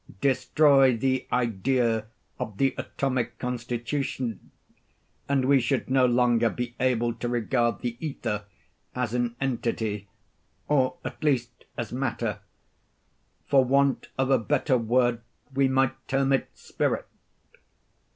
Destroy the idea of the atomic constitution and we should no longer be able to regard the ether as an entity, or at least as matter. For want of a better word we might term it spirit.